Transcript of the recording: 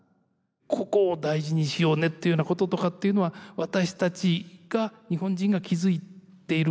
個々を大事にしようねっていうようなこととかっていうのは私たち日本人が気付いていることかもしれないという。